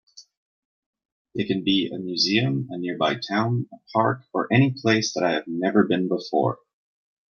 They can be a museum, a nearby town, a park, or any place that I have never been before.